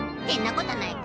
こたないか。